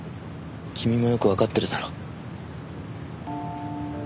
君もよくわかってるだろ。